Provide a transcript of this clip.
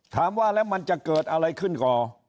ถามว่าแล้วมันจะเกิดอะไรขึ้นก่อน